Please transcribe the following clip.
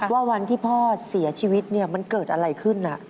ว่าวันที่พ่อเสียชีวิตมันเกิดอะไรขึ้น